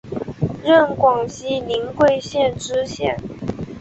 任广西临桂县知县。